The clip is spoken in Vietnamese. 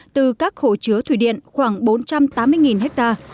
từ các hồ chứa thủy điện khoảng bốn trăm tám mươi hectare